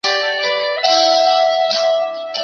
夏威夷航空是夏威夷最大的航空公司。